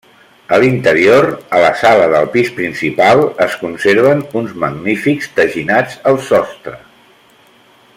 A l'interior, a la sala del pis principal, es conserven uns magnífics teginats al sostre.